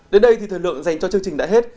đến đây thì thời lượng dành cho chương trình đã hết